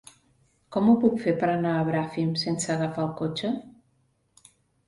Com ho puc fer per anar a Bràfim sense agafar el cotxe?